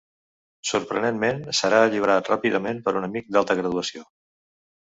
Sorprenentment, serà alliberat ràpidament per un amic d'alta graduació.